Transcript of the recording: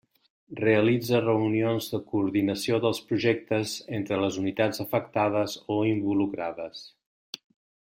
Realitza reunions de coordinació dels projectes entre les unitats afectades o involucrades.